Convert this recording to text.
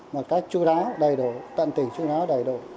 một cách chú đáo đầy đủ tận tình chú đáo đầy đủ